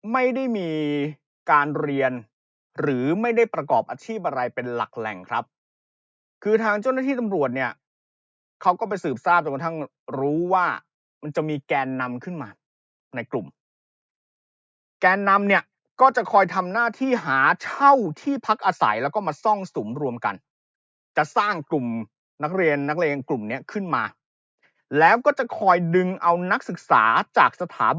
ไม่ได้มีการเรียนหรือไม่ได้ประกอบอาชีพอะไรเป็นหลักแหล่งครับคือทางเจ้าหน้าที่ตำรวจเนี่ยเขาก็ไปสืบทราบจนกระทั่งรู้ว่ามันจะมีแกนนำขึ้นมาในกลุ่มแกนนำเนี่ยก็จะคอยทำหน้าที่หาเช่าที่พักอาศัยแล้วก็มาซ่องสุมรวมกันจะสร้างกลุ่มนักเรียนนักเลงกลุ่มเนี้ยขึ้นมาแล้วก็จะคอยดึงเอานักศึกษาจากสถา